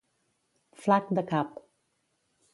Flac de cap.